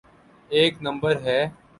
ایک نمبر ہے؟